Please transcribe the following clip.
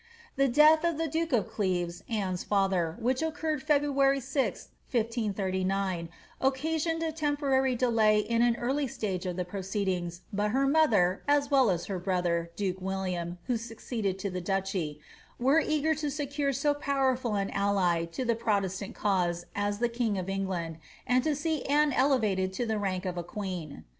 The death of the duke of Cleves, Anne's father, which occurred Feb ruary 6th, 1539,' occasioned a temporary delay in an early stage of the proceedings, but her mother, as well as her brother, duke William (who racceeded to the duchy), were eager to secure so powerful an ally to the protestant cause as the king of England, and to see Anne elevated to the nnk of a queen.